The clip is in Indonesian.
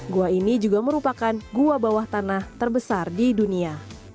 gua ini juga merupakan gua bawah tanah terbesar di dunia